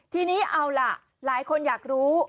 ทีนี้เอาล่ะหลายคนอยากรู้